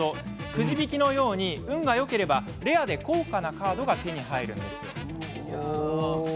くじ引きのように、運がよければレアで高価なカードが手に入るんです。